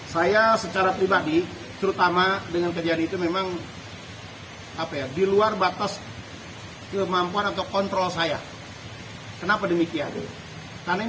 saya mengaku bahwa tersebut sudah tiga kali